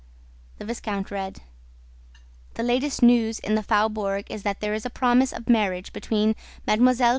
The viscount read: "The latest news in the Faubourg is that there is a promise of marriage between Mlle.